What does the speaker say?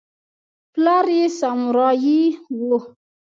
پلار یې سامورايي و.